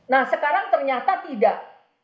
nah sekarang ternyata tidak